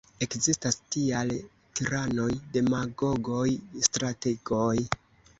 Ekzistas tiaj tiranoj, demagogoj, strategoj.